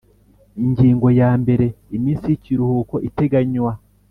Ingingo ya mbere Iminsi y ikiruhuko iteganywa